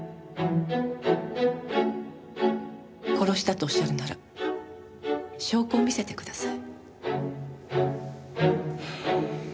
殺したとおっしゃるなら証拠を見せてください。